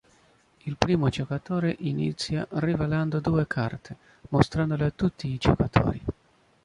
Il primo giocatore inizia rivelando due carte, mostrandole a tutti i giocatori.